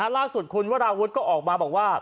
ล่าสุดคุณวราวุฒิก็ออกมาบอกว่า